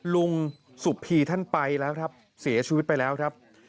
ลุงสุพีท่านไปแล้วครับเสียชีวิตไปแล้วครับ